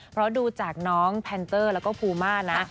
เพราะดูจากน้องแพนเตอร์แล้วก็ภูมานะ